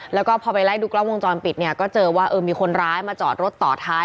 แล้วก็พอไปไล่ดูกล้องวงจรปิดเนี่ยก็เจอว่าเออมีคนร้ายมาจอดรถต่อท้าย